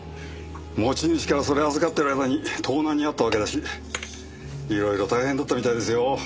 持ち主からそれを預かってる間に盗難に遭ったわけだしいろいろ大変だったみたいですよ。